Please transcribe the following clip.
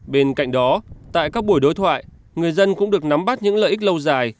bên cạnh đó tại các buổi đối thoại người dân cũng được nắm bắt những lợi ích lâu dài